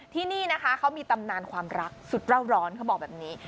ที่นี่นะคะเขามีตำนานความรักสุดเล่าร้อนเขาบอกแบบนี้